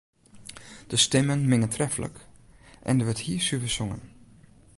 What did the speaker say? De stimmen minge treflik en der wurdt hiersuver songen.